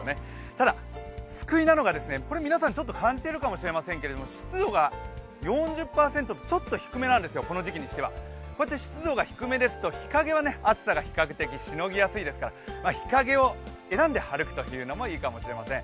ただ、救いなのが皆さんちょっと感じてるかもしれませんけれども湿度が４０％と、ちょっと低めなんですよ、この時期にしてはこうやって湿度が低めですと日陰はだいぶ涼しいですから日陰を選んで歩くというのもいいかもしれません。